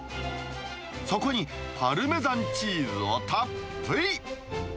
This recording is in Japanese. そこにパルメザンチーズをたっぷり。